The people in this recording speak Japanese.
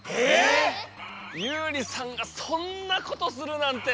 ユウリさんがそんなことするなんて。